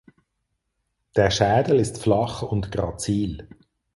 Der Schädel ist flach und grazil.